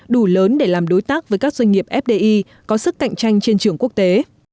đủ lớn để làm đối tác với các doanh nghiệp fdi có sức cạnh tranh trên trường quốc tế